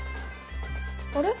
あれ？